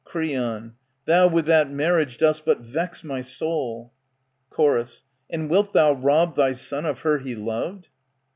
Creon, Thou with that marriage dost but vex my soul. Chor, And wilt thou rob thy son of her he loved